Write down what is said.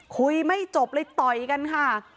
คุยไม่จบเลยต่อยกันค่ะ